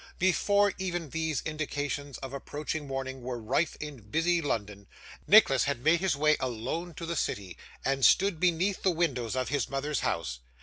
Before even these indications of approaching morning were rife in busy London, Nicholas had made his way alone to the city, and stood beneath the windows of his mother's house.